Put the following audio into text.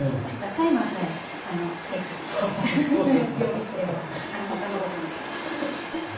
なんかタイマーさえつけて料理すれば他のこともできます。